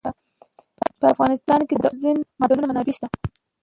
په افغانستان کې د اوبزین معدنونه منابع شته.